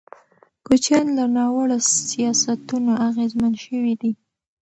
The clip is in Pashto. کوچیان له ناوړه سیاستونو اغېزمن شوي دي.